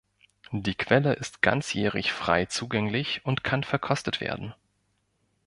Die Quelle ist ganzjährig frei zugänglich und kann verkostet werden.